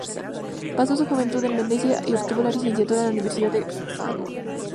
Pasó su juventud en Venecia y obtuvo la licenciatura en la Universidad de Padua.